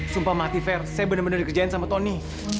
sumpah mati ver saya bener bener dikerjain sama tony